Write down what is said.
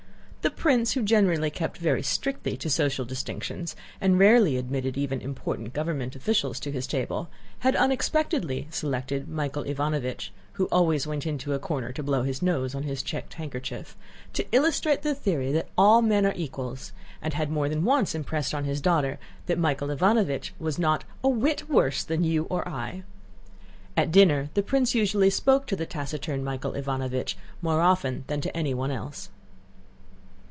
The prince, who generally kept very strictly to social distinctions and rarely admitted even important government officials to his table, had unexpectedly selected Michael Ivánovich (who always went into a corner to blow his nose on his checked handkerchief) to illustrate the theory that all men are equals, and had more than once impressed on his daughter that Michael Ivánovich was "not a whit worse than you or I." At dinner the prince usually spoke to the taciturn Michael Ivánovich more often than to anyone else.